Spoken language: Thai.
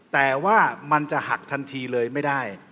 แต่ว่ามันจะหักทันทีเลยไม่ได้